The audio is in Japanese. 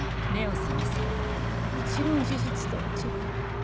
もちろん事実とは違う。